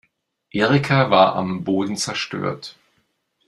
Erika war am Boden zerstört.